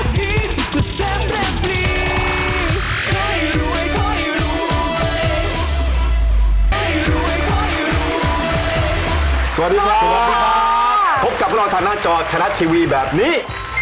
พบกับรอนทางหน้าจอคณะทีวีแบบนี้